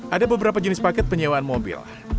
ada beberapa jenis paket penyewaan mobil